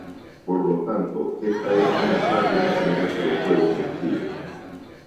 Por lo tanto, esta es una clase más general que los juegos decisivos.